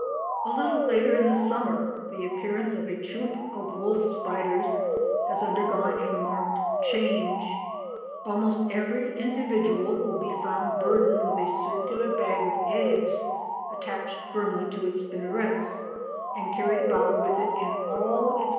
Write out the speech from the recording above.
A little later in the summer the appearance of a troop of wolf spiders has undergone a marked change; almost every individual will be found burdened with a circular bag of eggs attached firmly to its spinnerets, and carried about with it in all its wanderings.